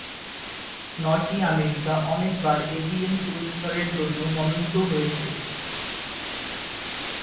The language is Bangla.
নটি আমেরিকা অনেকবার এভিএন পুরস্কারের জন্য মনোনীত হয়েছে।